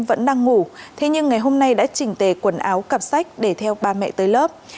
vẫn đang ngủ thế nhưng ngày hôm nay đã chỉnh tề quần áo cặp sách để theo ba mẹ tới lớp